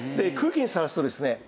空気にさらすとですね